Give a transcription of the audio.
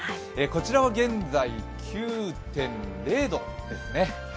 こちらは現在９．０度ですね。